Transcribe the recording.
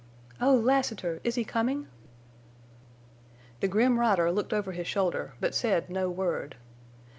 "Oh, Lassiter! Is he coming?" The grim rider looked over his shoulder, but said no word.